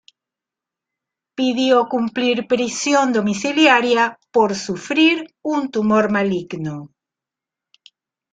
Pidió cumplir prisión domiciliaria por sufrir un tumor maligno.